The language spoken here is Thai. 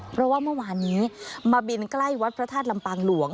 เพราะว่าเมื่อวานนี้มาบินใกล้วัดพระธาตุลำปางหลวง